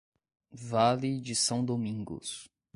Vale de São Domingos